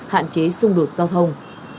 hạn chế xung đột giao thông